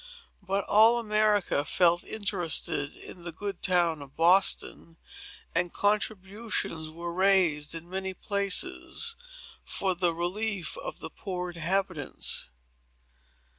But all America felt interested in the good town of Boston; and contributions were raised, in many places, for the relief of the poor inhabitants.